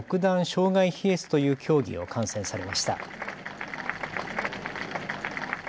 障害飛越という競技を観戦されました。